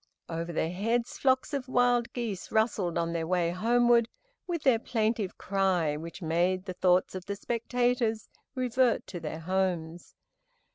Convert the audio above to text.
Over their heads flocks of wild geese rustled on their way homeward with their plaintive cry, which made the thoughts of the spectators revert to their homes.